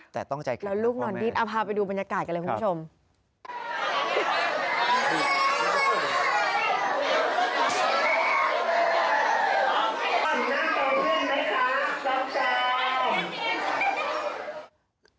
แต่ต้องใจแข็งกับพ่อแม่นะครับแล้วลูกหนอนดิ๊ดเอาพาไปดูบรรยากาศกันเลยคุณผู้ชมแล้วลูกหนอนดิ๊ดเอาพาไปดูบรรยากาศกันเลยคุณผู้ชม